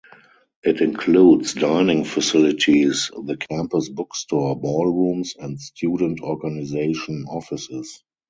It includes dining facilities, the campus bookstore, ballrooms, and student organization offices.